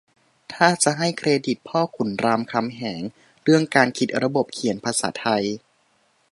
ถ้าจะให้เครดิตพ่อขุนรามคำแหงเรื่องการคิดระบบเขียนภาษาไทย